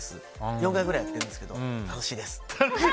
４回ぐらいやってるんですけど楽しいです。